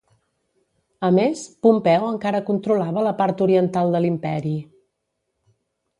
A més, Pompeu encara controlava la part oriental de l'Imperi.